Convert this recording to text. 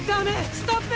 ストップ！